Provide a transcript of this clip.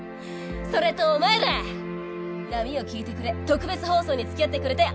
それとお前ら『波よ聞いてくれ』特別放送に付き合ってくれてありがとう！